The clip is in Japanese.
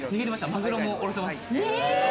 マグロもおろせます。